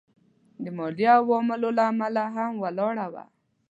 د مالي عواملو له امله هم ولاړه وه.